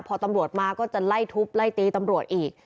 พอตำรวจมาก็จะไล่ทุบไล่ตีตำรวจอีก